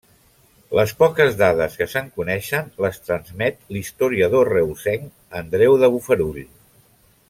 Les poques dades que se'n coneixen les transmet l'historiador reusenc Andreu de Bofarull.